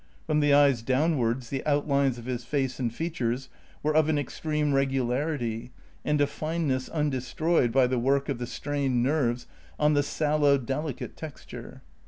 From the eyes downwards the outlines of his face and features were of an extreme regularity and a fineness undestroyed by the work of the strained nerves on the sallow, delicate texture.